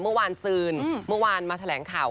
เมื่อคืนซืนเมื่อวานมาแถลงข่าว